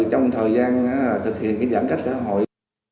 trong thời gian thực hiện giãn cách xã hội